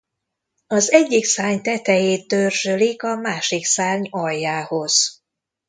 Az egyik szárny tetejét dörzsölik a másik szárny aljához.